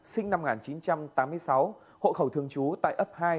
sinh năm một nghìn chín trăm tám mươi sáu hộ khẩu thường trú tại ấp hai